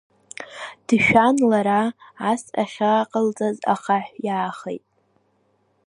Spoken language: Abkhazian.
Дшәан лара, ас ахьааҟалҵаз, ахаҳә иаахеит.